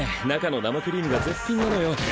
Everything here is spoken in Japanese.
中の生クリームが絶品なのよ。